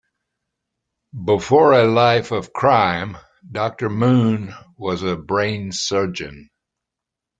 Before a life of crime, Doctor Moon was a brain surgeon.